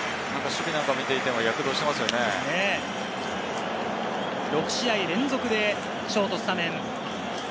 守備なんかを見ていても躍動して６試合連続でショートスタメン。